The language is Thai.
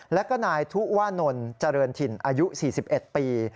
แล้วก็นายทุว่านนท์เจริญถิ่นอายุ๔๑ปี